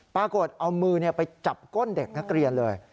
ปรากฏเอามือไปจับก้นเด็กนักเรียนเลย